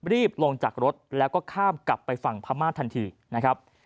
รีบลงจากรถแล้วก็ข้ามกลับไปฝั่งพม่าทันทีนะครับ